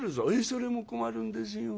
「それも困るんですよ。